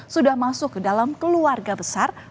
sudah masuk ke dalam keluarga besar